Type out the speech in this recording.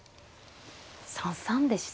３三でした。